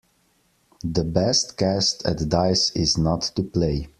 The best cast at dice is not to play.